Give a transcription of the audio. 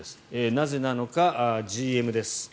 なぜなのか、ＧＭです。